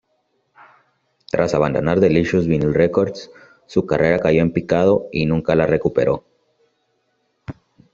Tras abandonar Delicious Vinyl Records, su carrera cayó en picado y nunca la recuperó.